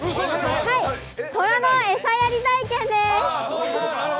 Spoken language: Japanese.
虎の餌やり体験です。